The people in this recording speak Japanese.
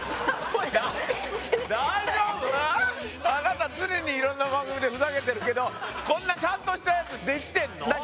あなた常にいろんな番組でふざけてるけどこんなちゃんとしたやつできてんの？